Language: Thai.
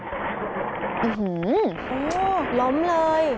อื้อหือล้อมเลย